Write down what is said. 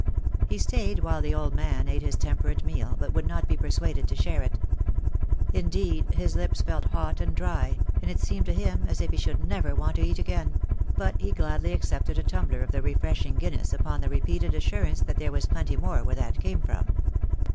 He stayed while the old man ate his temperate meal, but would not be persuaded to share it. Indeed, his lips felt hot and dry, and it seemed to him as if he should never want to eat again; but he gladly accepted a tumbler of the refreshing Guinness' upon the repeated assurance that there was plenty more where that came from.